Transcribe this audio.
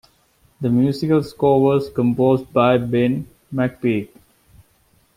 The musical score was composed by Ben McPeek.